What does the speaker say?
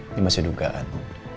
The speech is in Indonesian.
ini masih dugaan